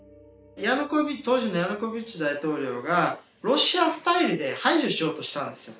当時のヤヌコービッチ大統領がロシアスタイルで排除しようとしたんですよ。